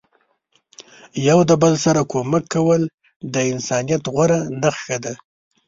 یو د بل سره کومک کول د انسانیت غوره نخښه ده.